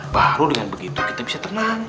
baru dengan begitu kita bisa tenang